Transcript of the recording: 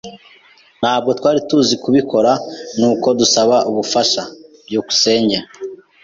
Ntabwo twari tuzi kubikora, nuko dusaba ubufasha. byukusenge